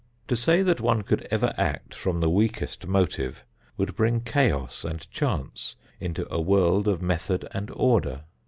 To say that one could ever act from the weakest motive would bring chaos and chance into a world of method and order.